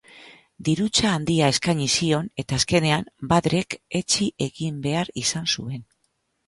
Dirutza handia eskaini zion, eta azkenean Badr-ek etsi egin behar izan zuen.